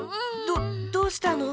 どっどうしたの？